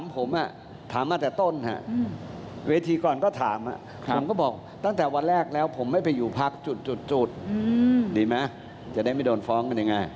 ผมถามมาแต่ต้นเวทีก่อนก็ถามผมก็บอกตั้งแต่วันแรกแล้วผมไม่ไปอยู่พักจุดดีไหมจะได้ไม่โดนฟ้องกันยังไง